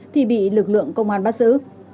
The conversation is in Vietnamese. thì bị lực lượng công an bắt giữ